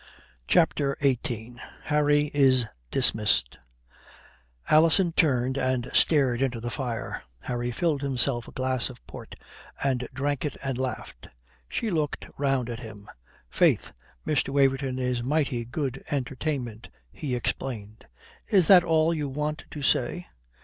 CHAPTER XVIII HARRY IS DISMISSED Alison turned and stared into the fire. Harry filled himself a glass of port and drank it and laughed. She looked round at him. "Faith, Mr. Waverton is mighty good entertainment," he explained. "Is that all you want to say?"